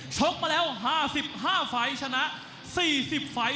ชกมาแล้ว๕๕ไฟล์ชนะ๔๐ไฟล์